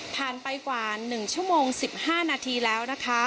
ผ่านไปกว่า๑ชั่วโมง๑๕นาทีแล้วนะคะ